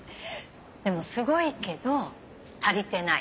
でもすごいけど足りてない。